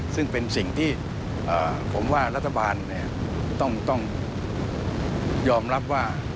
ซึ่งเป็นสิ่งที่ผมว่ารัฐบาลต้องยอมรับว่า